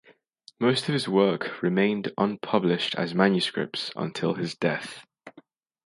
Most of his work remained unpublished as manuscripts until his death.